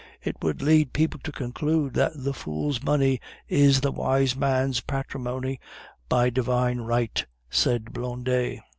"It would lead people to conclude that the fool's money is the wise man's patrimony by divine right," said Blondet.